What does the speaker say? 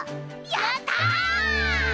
やった！